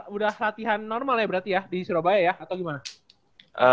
udah latihan normal ya berarti ya di surabaya ya atau gimana